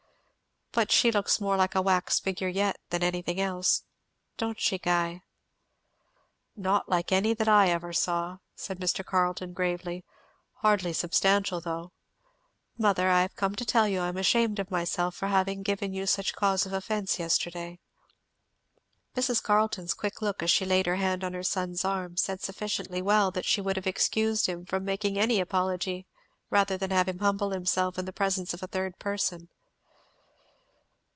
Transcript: "But she looks more like a wax figure yet than anything else, don't she, Guy?" "Not like any that ever I saw," said Mr. Carleton gravely. "Hardly substantial enough. Mother, I have come to tell you I am ashamed of myself for having given you such cause of offence yesterday." Mrs. Carleton's quick look, as she laid her hand on her son's arm, said sufficiently well that she would have excused him from making any apology rather than have him humble himself in the presence of a third person.